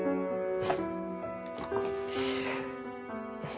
うん。